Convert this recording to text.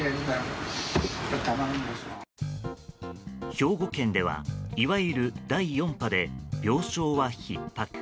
兵庫県ではいわゆる第４波で病床はひっ迫。